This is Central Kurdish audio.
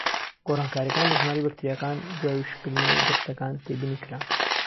گۆڕانکاریەکان لە ژمارەی بەکتریاکان دوای وشکردنەوەی دەستەکان تێبینیکران: